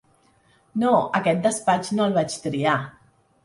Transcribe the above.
No, aquest despatx no el vaig triar.